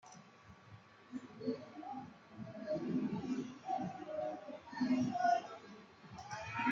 Las únicas preguntas son cuándo y dónde".